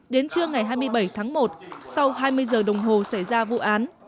đến trưa ngày hai mươi bảy tháng một sau hai mươi giờ đồng hồ xảy ra vụ án